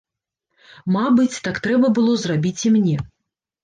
Мабыць, так трэба было зрабіць і мне.